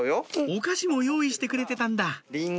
お菓子も用意してくれてたんだ